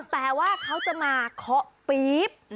แต่ว่าเขาจะมาเคาะปี๊บ